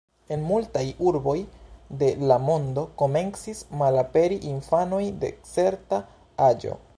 En multaj urboj de la mondo komencis malaperi infanoj de certa aĝo.